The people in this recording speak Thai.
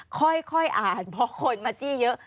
ค่อยอ่านเพราะคนมาจี้เยอะ